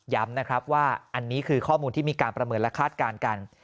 นะครับว่าอันนี้คือข้อมูลที่มีการประเมินและคาดการณ์กัน